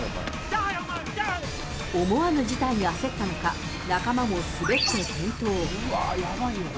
思わぬ事態に焦ったのか、仲間も滑って転倒。